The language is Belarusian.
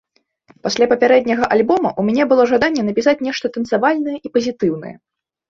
Пасля папярэдняга альбома ў мяне было жаданне напісаць нешта танцавальнае і пазітыўнае.